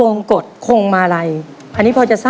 แล้ววันนี้ผมมีสิ่งหนึ่งนะครับเป็นตัวแทนกำลังใจจากผมเล็กน้อยครับ